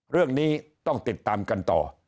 เรื่องนี้ต้องติดตามกันต่อ